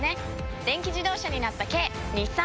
電気自動車になった軽日産サクラ！